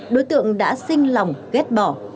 đối tượng đã xinh lòng ghét bỏ